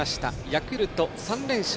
ヤクルト、３連勝。